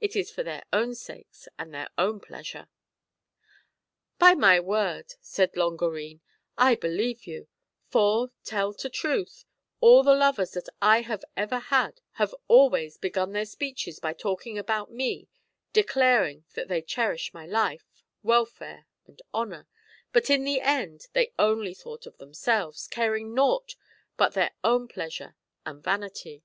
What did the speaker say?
It is for their own sakes and their own pleasure." " By my word," said Longarine, " I believe you ; for, truth to tell, all the lovers that I have ever had have always begun their speeches by talking about me, declaring that they cherished my life, welfare, and honour; but in the end they only thought of themselves, caring for nought but their own pleasure and vanity.